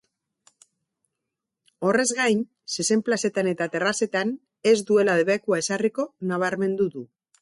Horrez gain, zezen plazetan eta terrazetan ez duela debekua ezarriko nabarmendu du.